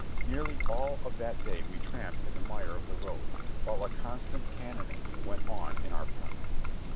Nearly all of that day we tramped in the mire of the roads, while a constant cannonading went on in our front.